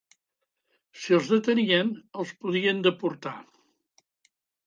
Si els detenien, els podien deportar